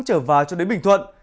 trở vào cho đến bình thuận